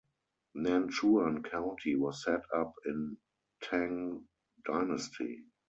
Nanchuan county was set up in Tang Dynasty.